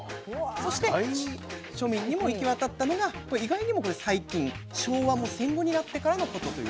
そして庶民にも行き渡ったのが意外にもこれ最近昭和も戦後になってからのことということで。